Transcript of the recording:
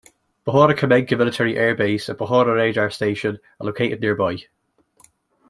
Pechora Kamenka military air base and Pechora Radar Station are located nearby.